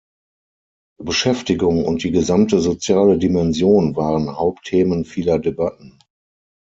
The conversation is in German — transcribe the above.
Beschäftigung und die gesamte soziale Dimension waren Hauptthemen vieler Debatten.